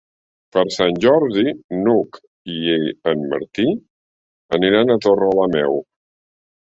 Per Sant Jordi n'Hug i en Martí aniran a Torrelameu.